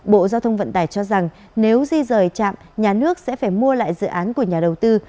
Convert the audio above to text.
bộ giao thông vận tải cho rằng nếu di rời trạm nhà nước sẽ phải mua lại dự án của nhà đầu tư